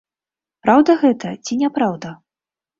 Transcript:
Праўда гэта ці няпраўда?